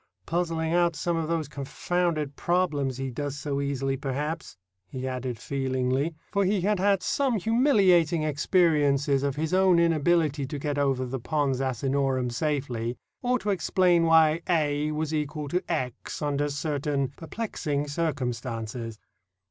"Puzzling out some of those confounded problems he does so easily, perhaps," he added feelingly, for he had had some humiliating experiences of his own inability to get over the Pons Asinorum safely, or to explain why a was equal to x under certain perplexing circumstances.